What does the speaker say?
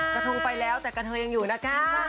กระทงไปแล้วแต่กระเทยยังอยู่นะคะ